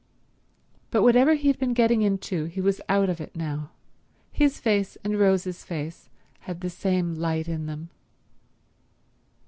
But whatever he had been getting into he was out of it now; his face and Rose's face had the same light in them.